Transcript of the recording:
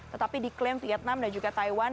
tetapi diklaim vietnam dan juga taiwan